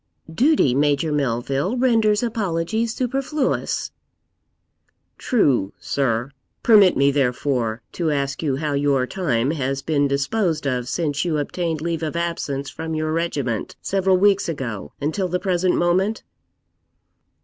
'Duty, Major Melville, renders apologies superfluous.' 'True, sir; permit me, therefore, to ask you how your time has been disposed of since you obtained leave of absence from your regiment, several weeks ago, until the present moment?'